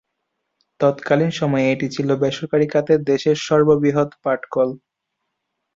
তৎকালীন সময়ে এটি ছিল বেসরকারি খাতে দেশের সর্ববৃহৎ পাটকল।